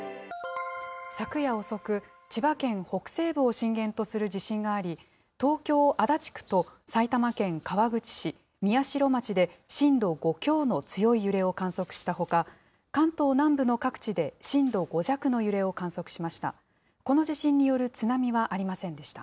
昨夜遅く、千葉県北西部を震源とする地震があり、東京・足立区と埼玉県川口市、宮代町で震度５強の強い揺れを観測したほか、関東南部の各地で震度５弱の揺れを観測しました。